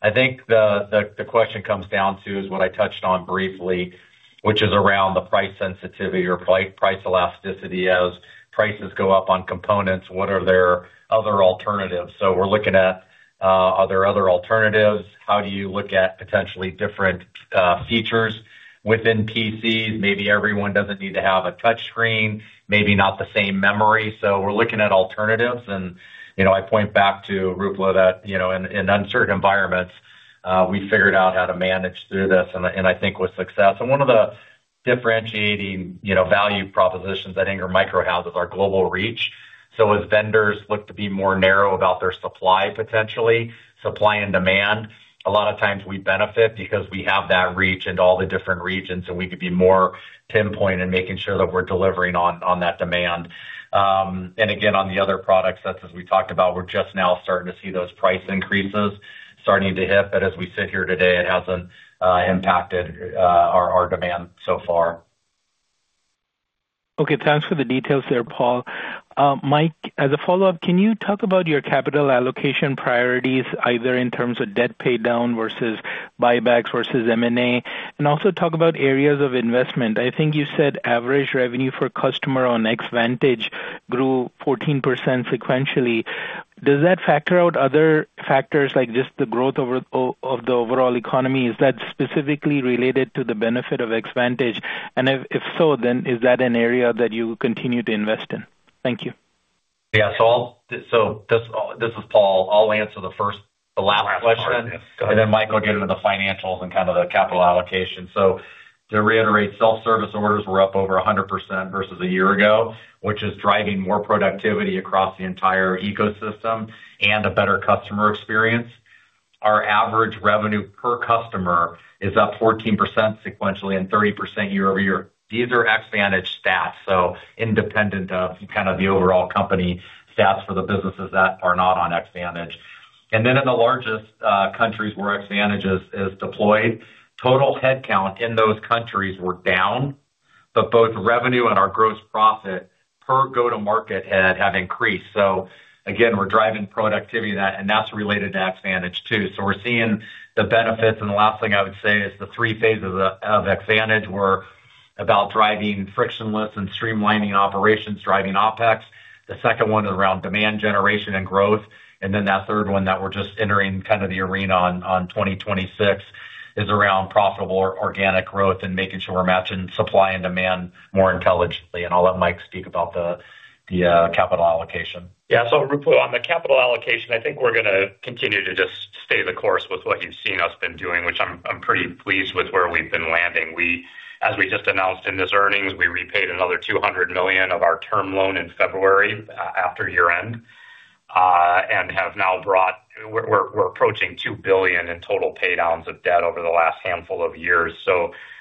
I think the question comes down to is what I touched on briefly, which is around the price sensitivity or price elasticity. As prices go up on components, what are their other alternatives? We're looking at, are there other alternatives? How do you look at potentially different features within PCs? Maybe everyone doesn't need to have a touch screen, maybe not the same memory. We're looking at alternatives and, you know, I point back to Ruplu that, you know, in uncertain environments, we figured out how to manage through this and I, and I think with success. One of the differentiating, you know, value propositions that Ingram Micro has is our global reach. As vendors look to be more narrow about their supply, potentially supply and demand, a lot of times we benefit because we have that reach into all the different regions, and we could be more pinpoint in making sure that we're delivering on that demand. Again, on the other products sets, as we talked about, we're just now starting to see those price increases starting to hit. As we sit here today, it hasn't impacted our demand so far. Okay, thanks for the details there, Paul. Mike, as a follow-up, can you talk about your capital allocation priorities, either in terms of debt paydown versus buybacks versus M&A? Also talk about areas of investment. I think you said average revenue for customer on Xvantage grew 14% sequentially. Does that factor out other factors like just the growth of the overall economy? Is that specifically related to the benefit of Xvantage? If so, then is that an area that you continue to invest in? Thank you. Yeah. I'll answer the last question. Mike will get into the financials and kind of the capital allocation. To reiterate, self-service orders were up over 100% versus a year ago, which is driving more productivity across the entire ecosystem and a better customer experience. Our average revenue per customer is up 14% sequentially and 30% year-over-year. These are Xvantage stats, independent of kind of the overall company stats for the businesses that are not on Xvantage. In the largest countries where Xvantage is deployed, total headcount in those countries were down, both revenue and our gross profit per go-to-market have increased. Again, we're driving productivity. That's related to Xvantage too. We're seeing the benefits. The last thing I would say is the three phases of Xvantage were about driving frictionless and streamlining operations, driving OpEx. The second one is around demand generation and growth. That third one that we're just entering kind of the arena on 2026 is around profitable organic growth and making sure we're matching supply and demand more intelligently. I'll let Mike speak about the capital allocation. Yeah. Ruplu, on the capital allocation, I think we're gonna continue to just stay the course with what you've seen us been doing, which I'm pretty pleased with where we've been landing. As we just announced in this earnings, we repaid another $200 million of our term loan in February, after year-end, and have now brought... We're approaching $2 billion in total paydowns of debt over the last handful of years.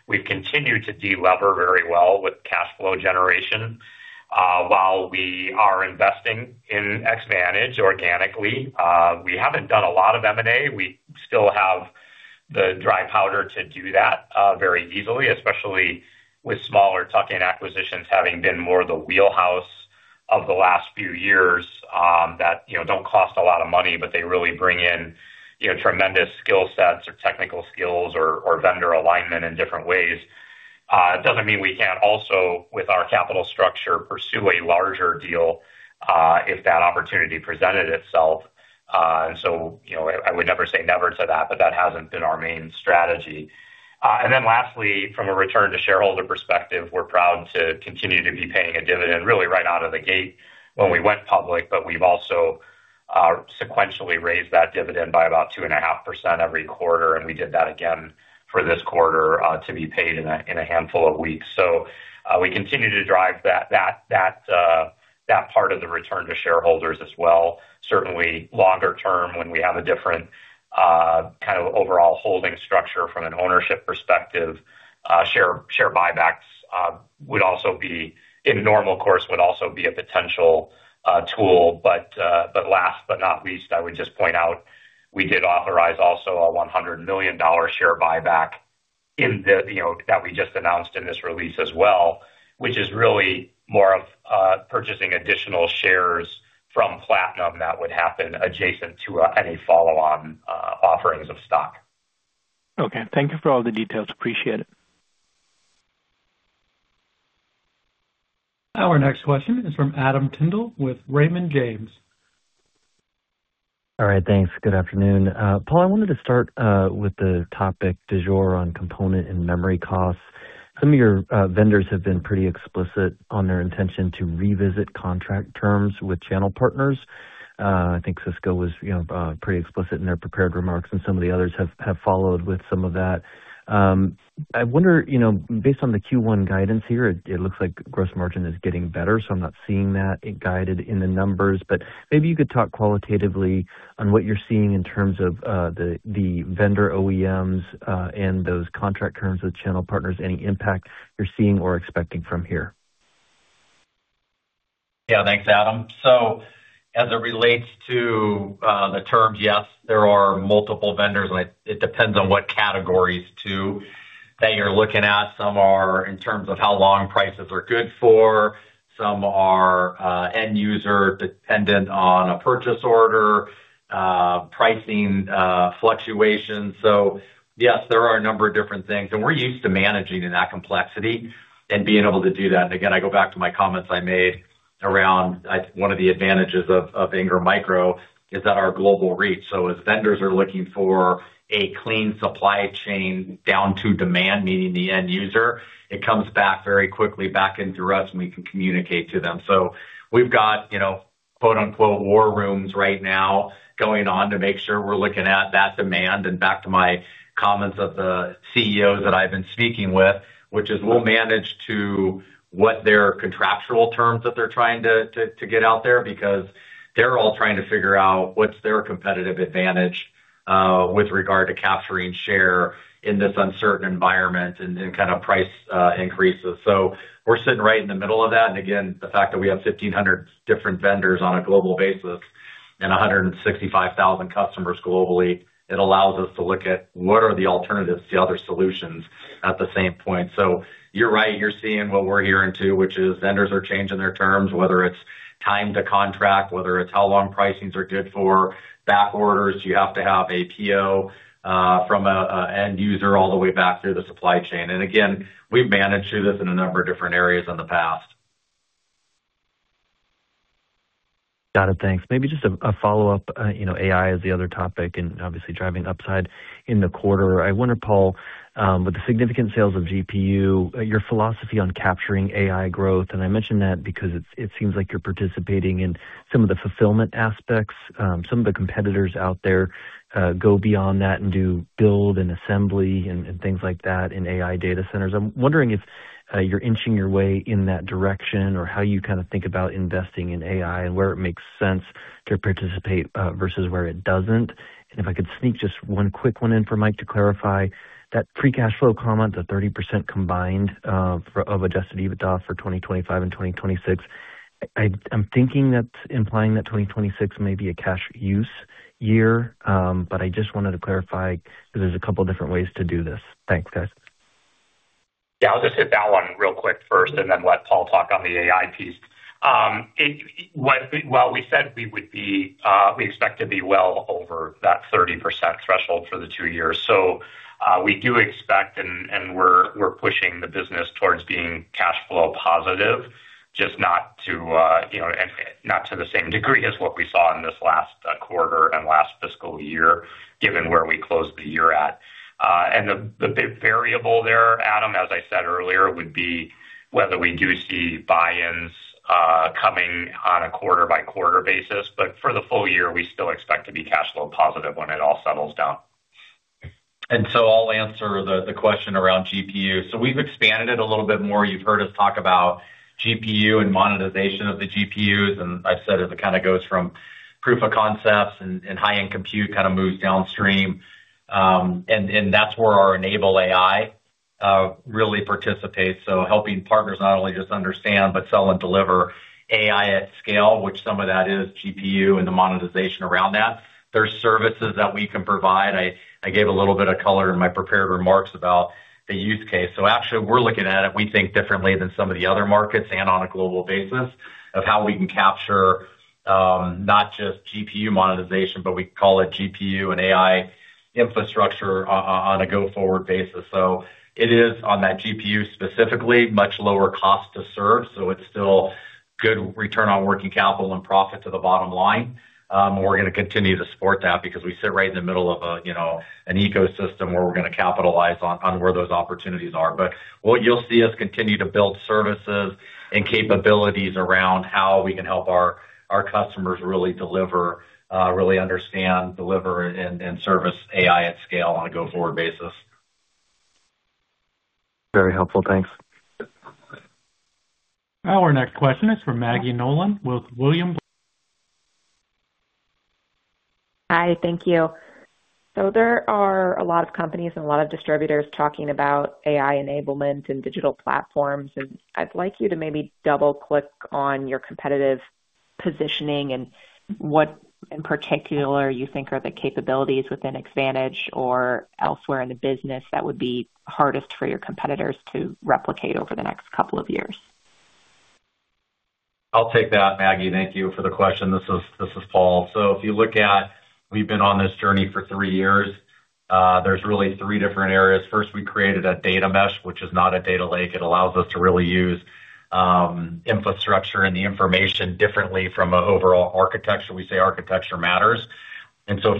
We've continued to de-lever very well with cash flow generation. While we are investing in Xvantage organically, we haven't done a lot of M&A. We still have the dry powder to do that very easily, especially with smaller tuck-in acquisitions having been more the wheelhouse of the last few years, that, you know, don't cost a lot of money, but they really bring in, you know, tremendous skill sets or technical skills or vendor alignment in different ways. It doesn't mean we can't also, with our capital structure, pursue a larger deal if that opportunity presented itself. You know, I would never say never to that, but that hasn't been our main strategy. Lastly, from a return to shareholder perspective, we're proud to continue to be paying a dividend really right out of the gate when we went public. We've also sequentially raised that dividend by about 2.5% every quarter, and we did that again for this quarter to be paid in a handful of weeks. We continue to drive that part of the return to shareholders as well. Certainly longer term, when we have a different kind of overall holding structure from an ownership perspective, share buybacks would also be in normal course, would also be a potential tool. Last but not least, I would just point out we did authorize also a $100 million share buyback in the, you know, that we just announced in this release as well, which is really more of purchasing additional shares from Platinum that would happen adjacent to any follow-on offerings of stock. Okay. Thank you for all the details. Appreciate it. Our next question is from Adam Tindle with Raymond James. All right. Thanks. Good afternoon. Paul, I wanted to start with the topic du jour on component and memory costs. Some of your vendors have been pretty explicit on their intention to revisit contract terms with channel partners. I think Cisco was, you know, pretty explicit in their prepared remarks, and some of the others have followed with some of that. I wonder, you know, based on the Q1 guidance here, it looks like gross margin is getting better, so I'm not seeing that it guided in the numbers. Maybe you could talk qualitatively on what you're seeing in terms of the vendor OEMs, and those contract terms with channel partners. Any impact you're seeing or expecting from here? Yeah. Thanks, Adam. As it relates to the terms, yes, there are multiple vendors. It depends on what categories too that you're looking at. Some are in terms of how long prices are good for, some are end user dependent on a purchase order pricing fluctuation. Yes, there are a number of different things, and we're used to managing in that complexity and being able to do that. Again, I go back to my comments I made around one of the advantages of Ingram Micro is that our global reach. As vendors are looking for a clean supply chain down to demand, meaning the end user, it comes back very quickly back in through us, and we can communicate to them. We've got, you know, quote-unquote, war rooms right now going on to make sure we're looking at that demand. Back to my comments of the CEOs that I've been speaking with, which is we'll manage to what their contractual terms that they're trying to get out there, because they're all trying to figure out what's their competitive advantage with regard to capturing share in this uncertain environment and kind of price increases. We're sitting right in the middle of that. Again, the fact that we have 1,500 different vendors on a global basis and 165,000 customers globally, it allows us to look at what are the alternatives to other solutions at the same point. You're right, you're seeing what we're hearing too, which is vendors are changing their terms, whether it's time-to-contract, whether it's how long pricings are good for back orders. Do you have to have APO, from a end user all the way back through the supply chain? Again, we've managed through this in a number of different areas in the past. Got it. Thanks. Maybe just a follow-up. You know, AI is the other topic and obviously driving upside in the quarter. I wonder, Paul, with the significant sales of GPU, your philosophy on capturing AI growth, and I mention that because it seems like you're participating in some of the fulfillment aspects. Some of the competitors out there go beyond that and do build and assembly and things like that in AI data centers. I'm wondering if you're inching your way in that direction or how you kind of think about investing in AI and where it makes sense to participate versus where it doesn't. If I could sneak just one quick one in for Mike to clarify. That free cash flow comment, the 30% combined of adjusted EBITDA for 2025 and 2026. I'm thinking that's implying that 2026 may be a cash use year. I just wanted to clarify 'cause there's a couple different ways to do this. Thanks, guys. I'll just hit that one real quick first and then let Paul talk on the AI piece. We expect to be well over that 30% threshold for the two years. We do expect and we're pushing the business towards being cash flow positive, just not to, you know, and not to the same degree as what we saw in this last quarter and last fiscal year, given where we closed the year at. The big variable there, Adam, as I said earlier, would be whether we do see buy-ins coming on a quarter-by-quarter basis. For the full year, we still expect to be cash flow positive when it all settles down. I'll answer the question around GPU. We've expanded it a little bit more. You've heard us talk about GPU and monetization of the GPUs. I said, as it kind of goes from proof of concepts and high-end compute kind of moves downstream. That's where our Enable | AI really participates. Helping partners not only just understand, but sell and deliver AI at scale, which some of that is GPU and the monetization around that. There's services that we can provide. I gave a little bit of color in my prepared remarks about the use case. Actually, we're looking at it, we think differently than some of the other markets and on a global basis of how we can capture not just GPU monetization, but we call it GPU and AI infrastructure on a go-forward basis. It is on that GPU specifically, much lower cost to serve. It's still good return on working capital and profit to the bottom line. We're gonna continue to support that because we sit right in the middle of a, you know, an ecosystem where we're gonna capitalize on where those opportunities are. What you'll see us continue to build services and capabilities around how we can help our customers really deliver, really understand, deliver, and service AI at scale on a go-forward basis. Very helpful. Thanks. Our next question is from Maggie Nolan with William Blair. Hi. Thank you. There are a lot of companies and a lot of distributors talking about AI enablement and digital platforms, and I'd like you to maybe double-click on your competitive positioning and what in particular you think are the capabilities within Xvantage or elsewhere in the business that would be hardest for your competitors to replicate over the next couple of years? I'll take that, Maggie. Thank you for the question. This is Paul. If you look at, we've been on this journey for three years, there's really three different areas. First, we created a data mesh, which is not a data lake. It allows us to really use infrastructure and the information differently from an overall architecture. We say architecture matters.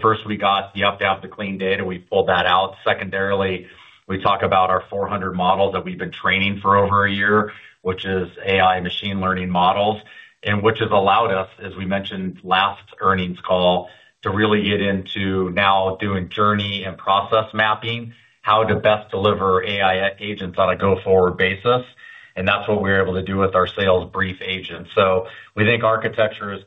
First we got you have to have the clean data. We pulled that out. Secondarily, we talk about our 400 models that we've been training for over a year, which is AI machine learning models, which has allowed us, as we mentioned last earnings call, to really get into now doing journey and process mapping, how to best deliver AI agents on a go-forward basis. That's what we're able to do with our Sales Briefing Agents. We think architecture is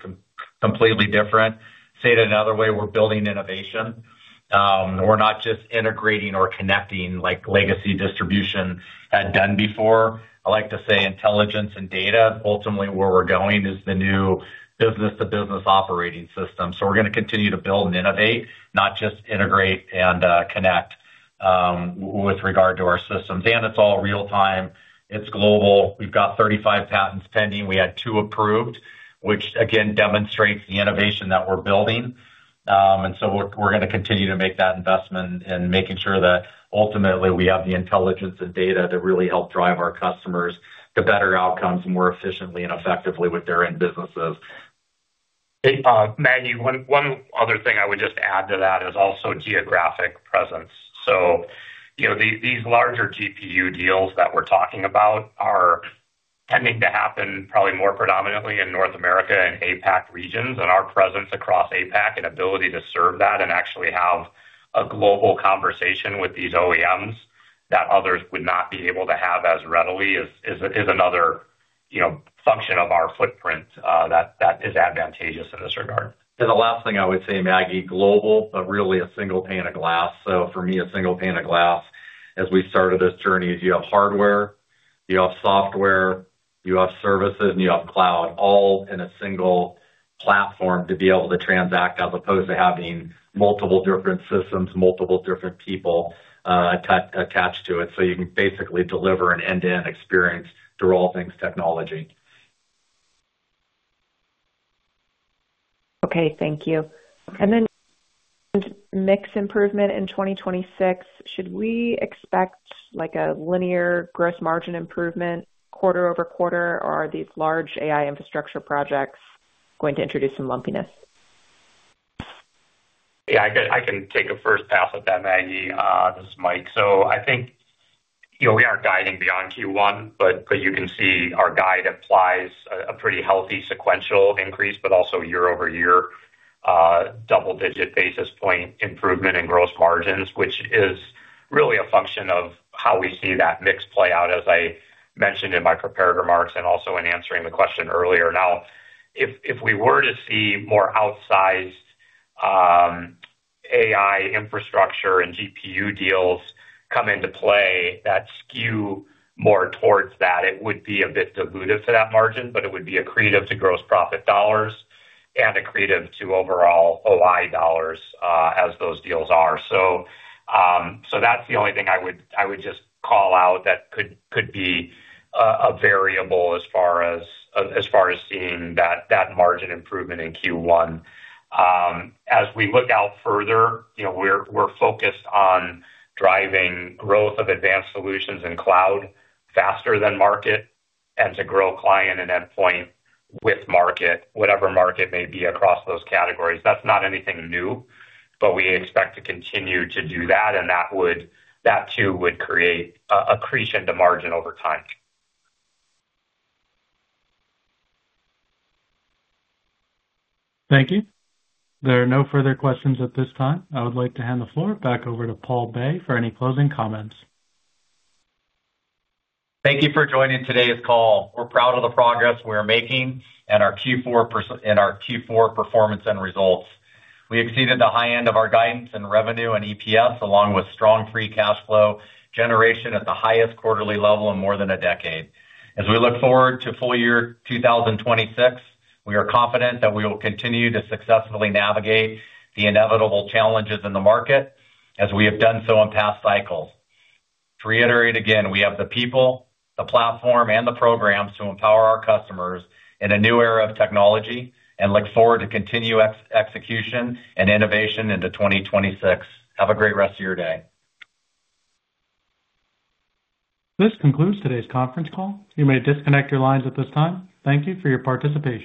completely different. Say it another way, we're building innovation. We're not just integrating or connecting like legacy distribution had done before. I like to say intelligence and data. Ultimately where we're going is the new business-to-business operating system. We're going to continue to build and innovate, not just integrate and connect with regard to our systems. It's all real time, it's global. We've got 35 patents pending. We had two approved, which again demonstrates the innovation that we're building. We're going to continue to make that investment and making sure that ultimately we have the intelligence and data that really help drive our customers to better outcomes more efficiently and effectively with their own businesses. Maggie, one other thing I would just add to that is also geographic presence. You know, these larger GPU deals that we're talking about are tending to happen probably more predominantly in North America and APAC regions, and our presence across APAC and ability to serve that and actually have a global conversation with these OEMs that others would not be able to have as readily is another, you know, function of our footprint that is advantageous in this regard. The last thing I would say, Maggie, global, but really a single pane of glass. For me, a single pane of glass as we started this journey is you have hardware, you have software, you have services, and you have cloud all in a single platform to be able to transact as opposed to having multiple different systems, multiple different people, attached to it, so you can basically deliver an end-to-end experience through all things technology. Okay. Thank you. Mix improvement in 2026, should we expect like a linear gross margin improvement quarter-over-quarter, or are these large AI infrastructure projects going to introduce some lumpiness? Yeah, I can take a first pass at that, Maggie. This is Mike. I think, you know, we aren't guiding beyond Q1, but you can see our guide applies a pretty healthy sequential increase but also year-over-year, double-digit basis point improvement in gross margins, which is really a function of how we see that mix play out as I mentioned in my prepared remarks and also in answering the question earlier. If we were to see more outsized AI infrastructure and GPU deals come into play that skew more towards that, it would be a bit dilutive to that margin, but it would be accretive to gross profit dollars and accretive to overall OI dollars as those deals are. That's the only thing I would just call out that could be a variable as far as seeing that margin improvement in Q1. As we look out further, you know, we're focused on driving growth of Advanced Solutions and Cloud faster than market and to grow Client and Endpoint with market, whatever market may be across those categories. That's not anything new, but we expect to continue to do that, and that too would create accretion to margin over time. Thank you. There are no further questions at this time. I would like to hand the floor back over to Paul Bay for any closing comments. Thank you for joining today's call. We're proud of the progress we're making and our Q4 performance and results. We exceeded the high end of our guidance and revenue and EPS, along with strong free cash flow generation at the highest quarterly level in more than a decade. As we look forward to full year 2026, we are confident that we will continue to successfully navigate the inevitable challenges in the market as we have done so in past cycles. To reiterate again, we have the people, the platform, and the programs to empower our customers in a new era of technology and look forward to continued execution and innovation into 2026. Have a great rest of your day. This concludes today's conference call. You may disconnect your lines at this time. Thank you for your participation.